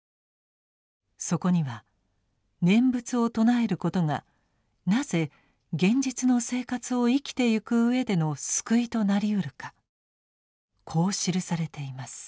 そこには念仏を称えることがなぜ現実の生活を生きてゆくうえでの救いとなりうるかこう記されています。